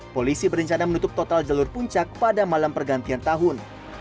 polisi berencana menutup total jalur puncak pada malam pergantian tahun